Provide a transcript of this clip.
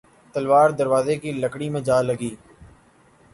تلوار دروازے کی لکڑی میں جا لگی